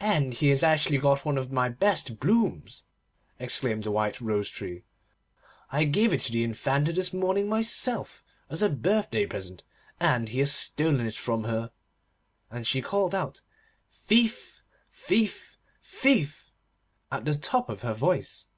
'And he has actually got one of my best blooms,' exclaimed the White Rose Tree. 'I gave it to the Infanta this morning myself, as a birthday present, and he has stolen it from her.' And she called out: 'Thief, thief, thief!' at the top of her voice.